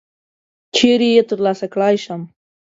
چیري یې ترلاسه کړلای شم ؟